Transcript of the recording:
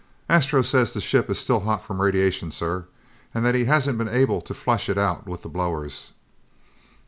"Astro says the ship is still hot from radiation, sir. And that he hasn't been able to flush it out with the blowers."